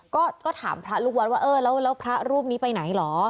ก็ถามพระลูกวัดว่าเออแล้วพระรูปนี้ไปไหนเหรอ